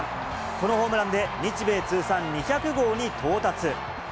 このホームランで、日米通算２００号に到達。